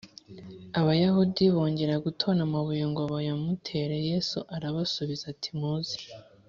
Abayahudi bongera gutora amabuye ngo bayamutere Yesu arabasubiza ati muze